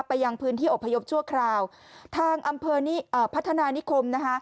ยังพื้นที่อพยพชั่วคราวทางอำเภอพัฒนานิคมนะคะ